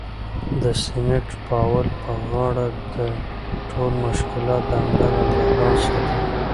د سینټ پاول په غاړه ده، ټول مشکلات د همدغه له لاسه دي.